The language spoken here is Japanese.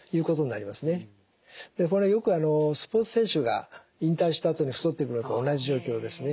でこれよくスポーツ選手が引退したあと太ってくるのと同じ状況ですね。